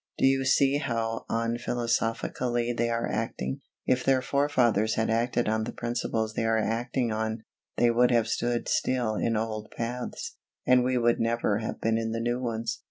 Do you see how unphilosophically they are acting? If their forefathers had acted on the principles they are acting on, they would have stood still in old paths, and we would never have been in the new ones.